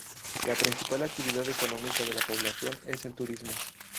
La principal actividad económica de la población es el turismo.